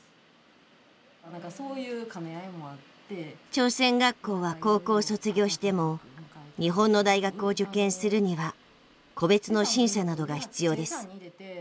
朝鮮学校は高校を卒業しても日本の大学を受験するには個別の審査などが必要です。